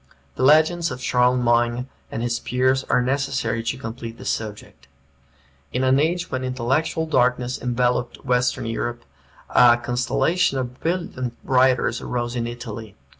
The legends of Charlemagne and his peers are necessary to complete the subject. In an age when intellectual darkness enveloped Western Europe, a constellation of brilliant writers arose in Italy.